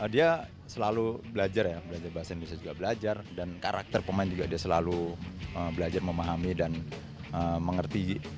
dia selalu belajar bahasa indonesia dan karakter pemain juga dia selalu belajar memahami dan mengerti